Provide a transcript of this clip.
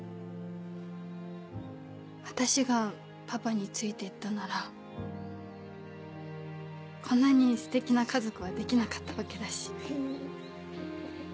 私がパパについてったならこんなにステキな家族はできなかったわけだし。